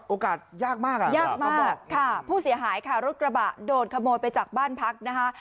โอกาสยากมากอ่ะยากมากค่ะผู้เสียหายค่ะรถกระบะโดนขโมยไปจากบ้านพักนะคะ